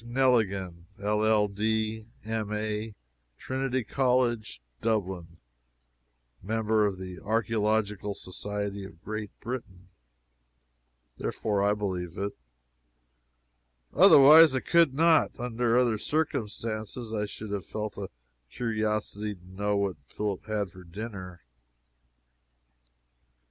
Neligan, LL.D., M. A., Trinity College, Dublin; Member of the Archaeological Society of Great Britain." Therefore, I believe it. Otherwise, I could not. Under other circumstances I should have felt a curiosity to know what Philip had for dinner.